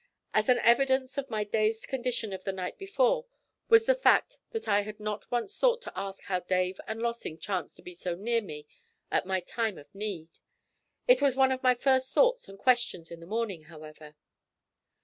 As an evidence of my dazed condition of the night before was the fact that I had not once thought to ask how Dave and Lossing chanced to be so near me at my time of need. It was one of my first thoughts and questions in the morning, however.